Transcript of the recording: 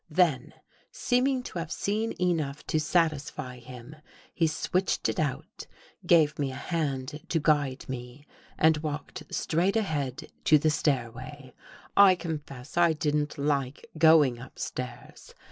Then, seeming to have seen enough to satisfy him, he switched it out, gave me a hand to guide me and walked straight ahead to the stairway. I confess I didn't like going upstairs.